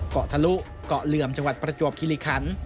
เกาะทะลุเกาะเหลื่อมจังหวัดประจวบคิริคัน